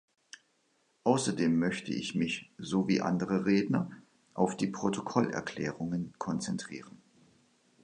Außerdem möchte ich mich so wie andere Redner auf die Protokollerklärungen konzentrieren.